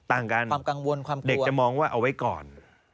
ต่างกันความกังวลความเด็กจะมองว่าเอาไว้ก่อน